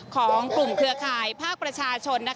ของกลุ่มเครือข่ายภาคประชาชน